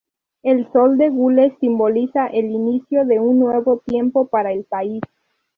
El sol de gules simboliza el inicio de un nuevo tiempo para el país.